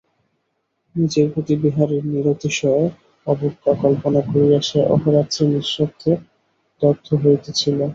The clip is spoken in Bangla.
নিজের প্রতি বিহারীর নিরতিশয় অবজ্ঞা কল্পনা করিয়া সে অহোরাত্রি নিঃশব্দে দগ্ধ হইতেছিল।